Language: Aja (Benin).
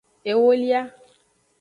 Ewolia.